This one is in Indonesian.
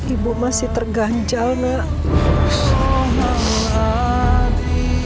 ibu masih terganjal nak